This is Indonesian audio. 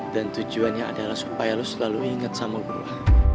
dan tujuannya adalah supaya lu selalu inget sama gua